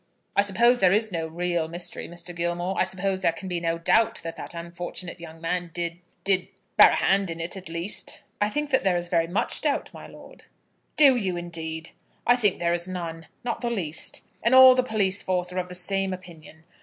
"I suppose there is no real mystery, Mr. Gilmore? I suppose there can be no doubt that that unfortunate young man did, did, did bear a hand in it at least?" "I think that there is very much doubt, my lord." "Do you, indeed? I think there is none, not the least. And all the police force are of the same opinion.